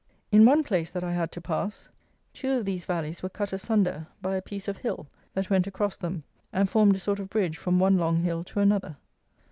In one place that I had to pass, two of these valleys were cut asunder by a piece of hill that went across them and formed a sort of bridge from one long hill to another.